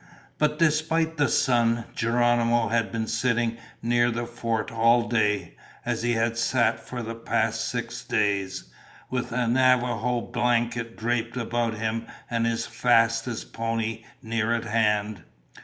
But despite the sun, Geronimo had been sitting near the fort all day, as he had sat for the past six days, with a Navajo blanket draped about him and his fastest pony near at hand.